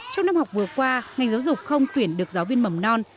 trong năm học vừa qua ngành giáo dục không tuyển được giáo viên mầm non